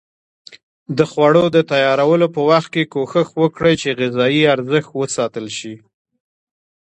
د خوړو د تیارولو په وخت کې کوښښ وکړئ چې غذایي ارزښت وساتل شي.